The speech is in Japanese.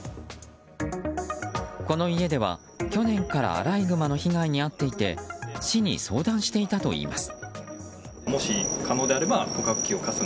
この家では、去年からアライグマの被害に遭っていて市に相談していたといいます。